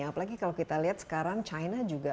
apalagi kalau kita lihat sekarang china juga